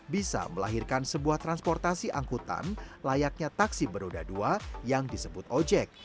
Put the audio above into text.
bisa melahirkan sebuah transportasi angkutan layaknya taksi beroda dua yang disebut ojek